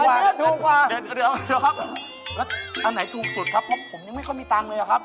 เดี๋ยวครับแล้วอันไหนถูกสุดครับเพราะผมยังไม่เข้ามีตังค์เลยครับ